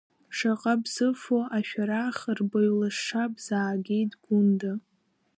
Шаҟа бзыфо ашәарах рбаҩлаша бзаагеит, Гәында.